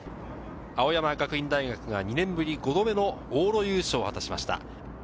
青山学院大学は２年ぶり５度目の往路優勝を果たしました。